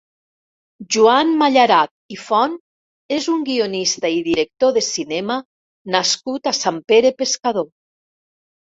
Joan Mallarach i Font és un guionista i director de cinema nascut a Sant Pere Pescador.